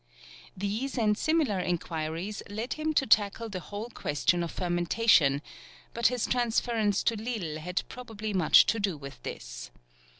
These and similar inquiries led him to tackle the whole question of fermentation, but his transference to Lille had probably much to do with this.